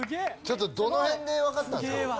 どの辺でわかったんですか？